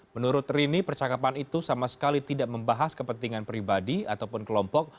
menurut rini percakapan itu sama sekali tidak membahas kepentingan pribadi ataupun kelompok